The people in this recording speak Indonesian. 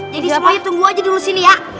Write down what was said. jadi semuanya tunggu aja di luar sini